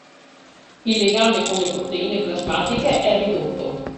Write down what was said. Il legame con le proteine plasmatiche è ridotto.